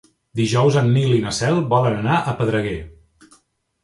Dijous en Nil i na Cel volen anar a Pedreguer.